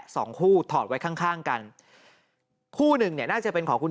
สองคู่ถอดไว้ข้างข้างกันคู่หนึ่งเนี่ยน่าจะเป็นของคุณ